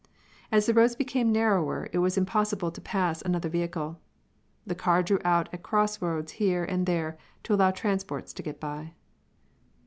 As the roads became narrower it was impossible to pass another vehicle. The car drew out at crossroads here and there to allow transports to get by.